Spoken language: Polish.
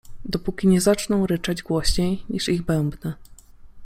Dopóki nie zaczną ryczeć głośniej, niż ich bębny.